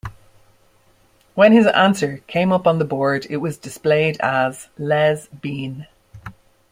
When his answer came up on the board, it was displayed as "Les Bean".